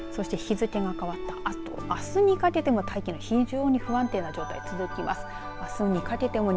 そして日付が変わったあとあすにかけても大気の状態非常に不安定な状態が続きます。